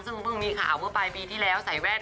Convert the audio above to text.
ซึ่งเพิ่งมีข่าวเมื่อปลายปีที่แล้วใส่แว่น